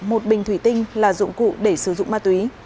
một bình thủy tinh là dụng cụ để sử dụng ma túy